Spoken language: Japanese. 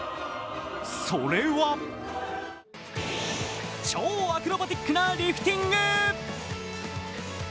それは超アクロバティックなリフティング。